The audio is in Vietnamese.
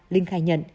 linh khai nhận